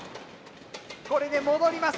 これで戻ります。